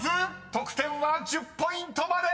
［得点は１０ポイントまで！］